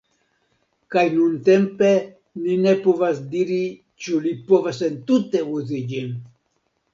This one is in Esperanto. Kaj nuntempe ni ne povas diri ĉu li povas entute uzi ĝin